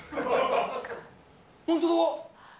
本当だ。